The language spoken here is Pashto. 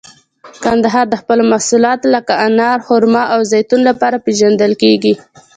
کندهار د خپلو محصولاتو لکه انار، خرما او زیتون لپاره پیژندل کیږي.